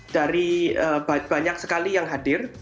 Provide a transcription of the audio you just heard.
dari banyak sekali yang hadir